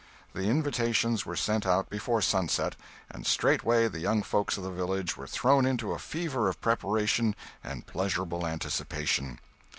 The invitations were sent out before sunset, and straightway the young folks of the village were thrown into a fever of preparation and pleasurable anticipation.